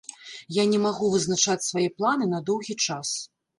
Я не магу вызначаць свае планы на доўгі час.